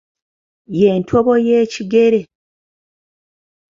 Ye ntobo y'ekigere.